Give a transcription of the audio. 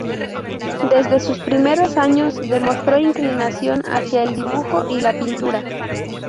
Desde sus primeros años demostró inclinación hacia el dibujo y la pintura.